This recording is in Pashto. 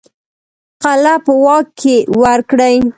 قلعه په واک کې ورکړي.